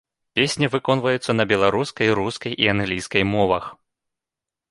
Песні выконваюцца на беларускай, рускай і англійскай мовах.